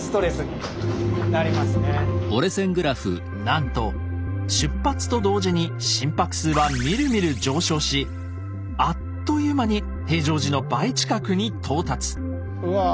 なんと出発と同時に心拍数はみるみる上昇しあっという間に平常時の倍近くに到達。